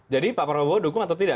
jadi pak prabowo dukung atau tidak